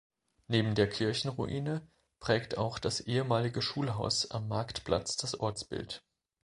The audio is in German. Neben der Kirchenruine prägt auch das ehemalige Schulhaus am Marktplatz das Ortsbild.